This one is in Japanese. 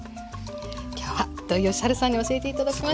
今日は土井善晴さんに教えて頂きました。